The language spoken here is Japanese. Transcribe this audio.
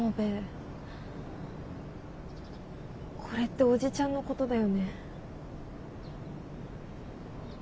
これっておじちゃんのことだよね。